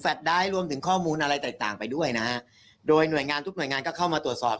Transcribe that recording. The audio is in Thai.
ได้รวมถึงข้อมูลอะไรต่างไปด้วยนะฮะโดยหน่วยงานทุกหน่วยงานก็เข้ามาตรวจสอบ